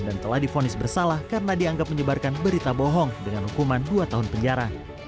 dan telah difonis bersalah karena dianggap menyebarkan berita bohong dengan hukuman dua tahun penjara